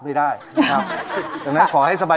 ไม่ได้ครับ